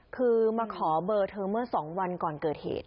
คือมาขอเบอร์เธอเมื่อ๒วันก่อนเกิดเหตุ